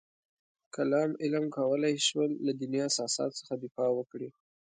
کلام علم کولای شول له دیني اساساتو څخه دفاع وکړي.